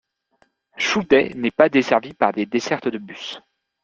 Chouday n'est pas desservie par des dessertes de bus.